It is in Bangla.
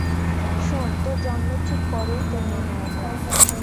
শোন, তোর জন্মের ঠিক পরেই তোর মা মারা যায়।